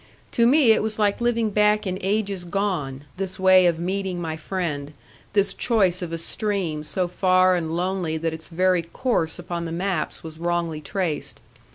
To me it was like living back in ages gone, this way of meeting my friend, this choice of a stream so far and lonely that its very course upon the maps was wrongly traced.